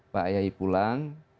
pak yai pulang